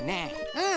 うん。